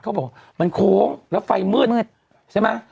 เขาบอกมันโค้งแล้วไฟมืดใช่ไหม